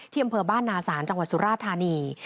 อำเภอบ้านนาศาลจังหวัดสุราธานี